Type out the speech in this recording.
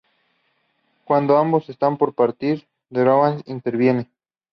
Cuando ambos están por partir, Deborah interviene.